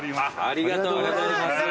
ありがとうございます。